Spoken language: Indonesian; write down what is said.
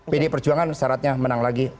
pdi perjuangan syaratnya menang lagi